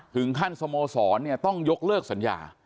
ถึงท่านสโมสรต้องยกเลิกสัญญา